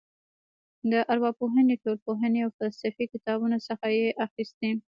د ارواپوهنې ټولنپوهنې او فلسفې کتابونو څخه یې اخیستې.